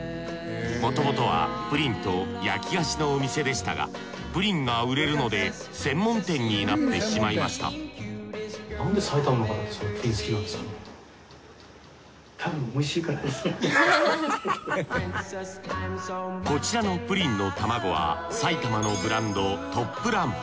もともとはプリンと焼き菓子のお店でしたがプリンが売れるので専門店になってしまいましたこちらのプリンの卵は埼玉のブランドトップラン。